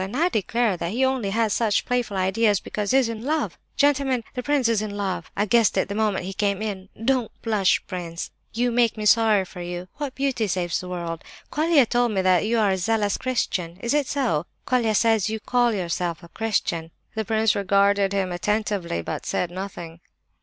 And I declare that he only has such playful ideas because he's in love! Gentlemen, the prince is in love. I guessed it the moment he came in. Don't blush, prince; you make me sorry for you. What beauty saves the world? Colia told me that you are a zealous Christian; is it so? Colia says you call yourself a Christian." The prince regarded him attentively, but said nothing.